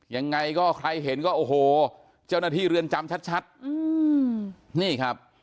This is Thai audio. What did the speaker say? ยังไงก็ใครเห็นก็โอ้โหเจ้าหน้าที่เรือนจำชัดอืมนี่ครับ